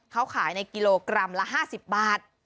เขาขายในกิโลกรัมละ๕๐บาท